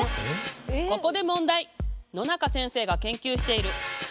ここで問題。